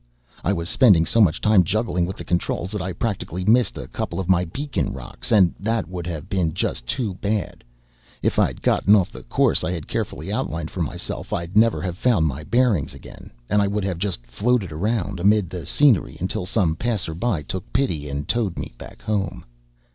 I was spending so much time juggling with the controls that I practically missed a couple of my beacon rocks, and that would have been just too bad. If I'd gotten off the course I had carefully outlined for myself, I'd never have found my bearings again, and I would have just floated around amid the scenery until some passerby took pity and towed me back home.